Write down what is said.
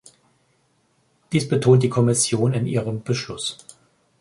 Dies betont die Kommission in ihrem Beschluss.